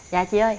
dạ chị ơi